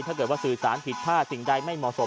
ถ้าเกิดว่าสื่อสารผิดพลาดสิ่งใดไม่เหมาะสม